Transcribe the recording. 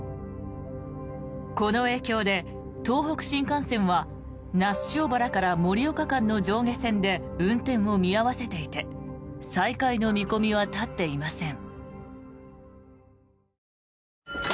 この影響で東北新幹線は那須塩原から盛岡間の上下線で運転を見合わせていて再開の見込みは立っていません。